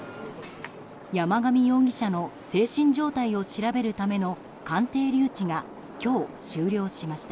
山上容疑者の精神状態を調べるための鑑定留置が今日、終了しました。